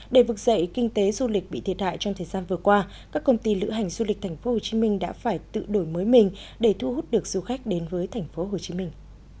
để vực dậy kinh tế du lịch bị thiệt hại trong thời gian vừa qua các công ty lữ hành du lịch thành phố hồ chí minh đã phải tự đổi mới mình để thu hút được du khách đến với thành phố hồ chí minh